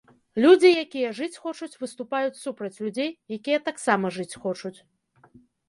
Людзі, якія жыць хочуць, выступаюць супраць людзей, якія таксама жыць хочуць.